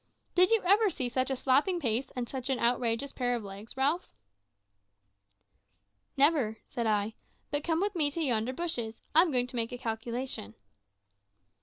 Did you ever see such a slapping pace and such an outrageous pair of legs, Ralph?" "Never," said I. "But come with me to yonder bushes. I'm going to make a calculation."